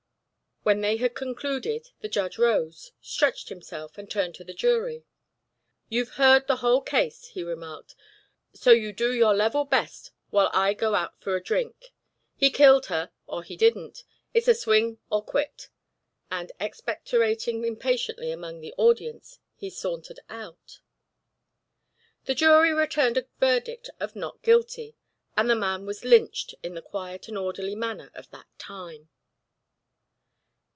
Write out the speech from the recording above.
When they had concluded, the judge rose, stretched himself, and turned to the jury. "You've heard the whole case," he remarked. "So you do your level best while I go out for a drink. He killed her or he didn't. It's swing or quit." And, expectorating impatiently among the audience, he sauntered out. The jury returned a verdict of "not guilty," and the man was lynched in the quiet and orderly manner of that time.